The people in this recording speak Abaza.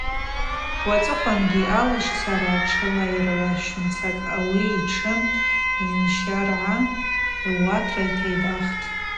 Уацӏыхъвангьи алащцара тшылайыргӏващауамцара ауи йтшы йанщаргӏа руатра йтайдахтӏ.